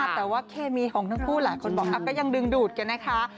แต่ว่าเคมีของทั้งคู่หลายคนบอกก็ยังดึงดูดกันนะคะ